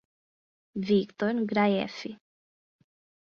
Victor Graeff